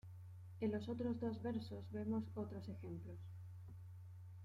En los otros dos versos vemos otros ejemplos.